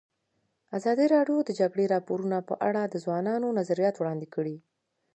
ازادي راډیو د د جګړې راپورونه په اړه د ځوانانو نظریات وړاندې کړي.